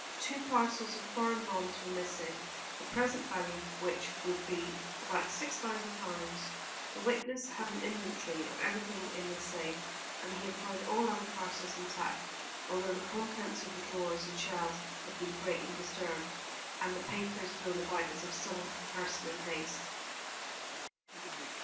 Two parcels of foreign bonds were missing, the present value of which would be about six thousand pounds. The witness had an inventory of everything in this safe, and he had found all other parcels intact, although the contents of the drawers and shelves had been greatly disturbed, and the papers thrown about, as if by some person in haste.